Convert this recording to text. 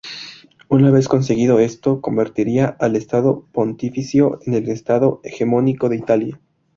Una vez conseguido esto, convertiría al Estado Pontificio en el Estado hegemónico de Italia.